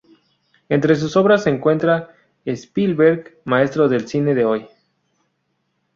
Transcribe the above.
Entre sus obra se encuentra "Spielberg: maestro del cine de hoy".